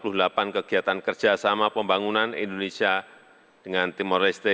pembangunan ini menyebabkan empat ratus delapan puluh delapan kegiatan kerjasama pembangunan indonesia dengan timor leste